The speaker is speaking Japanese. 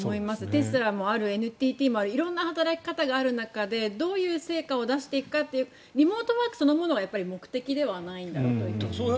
テスラもあるＮＴＴもある色んな働き方がある中でどういう成果を出していくかというリモートワークそのものは目的ではないんだろうと。